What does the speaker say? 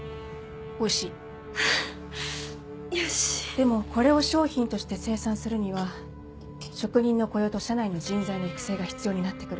でもこれを商品として生産するには職人の雇用と社内の人材の育成が必要になってくる